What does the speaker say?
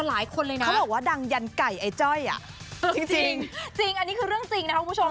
หลายคนเลยนะเขาบอกว่าดังยันไก่ไอ้จ้อยอ่ะจริงจริงอันนี้คือเรื่องจริงนะคะคุณผู้ชม